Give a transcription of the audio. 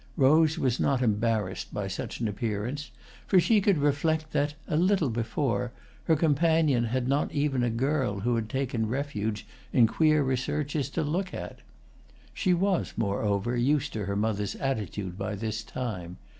Rose was not embarrassed by such an appearance, for she could reflect that, a little before, her companion had not even a girl who had taken refuge in queer researches to look at. She was moreover used to her mother's attitude by this time.